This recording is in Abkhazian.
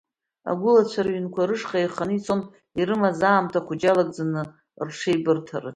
Агәылацәа рыҩнқәа рышҟа еиханы ицон ирымаз аамҭа хәыҷы иалагӡаны рҽеибырҭарацы.